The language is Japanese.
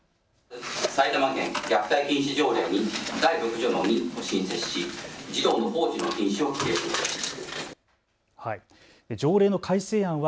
埼玉県虐待禁止条例に第６条の２を新設し児童の放置の禁止を規定します。